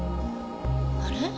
あれ？